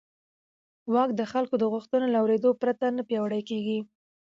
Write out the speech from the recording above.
واک د خلکو د غوښتنو له اورېدو پرته نه پیاوړی کېږي.